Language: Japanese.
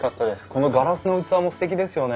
このガラスの器もすてきですよね。